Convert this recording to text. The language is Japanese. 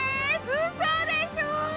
うそでしょ！